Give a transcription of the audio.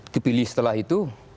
dipilih setelah itu